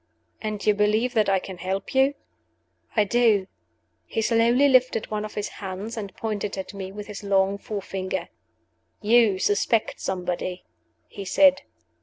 "And you believe that I can help you?" "I do." He slowly lifted one of his hands, and pointed at me with his long forefinger. "You suspect somebody," he said.